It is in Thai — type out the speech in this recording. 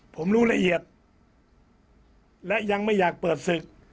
ผมรู้ละเอียดและยังไม่อยากเปิดศึก